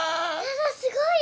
すごい？